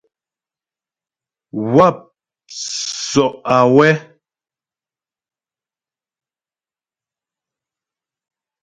Wáp sɔ' awɛ́.